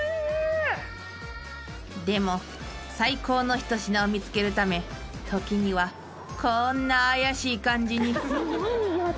［でも最高の一品を見つけるため時にはこんな怪しい感じに］